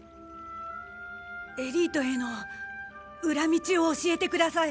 エリートへの裏道を教えてください。